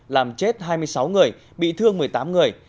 làm chết hai mươi sáu người bị thương một mươi tám người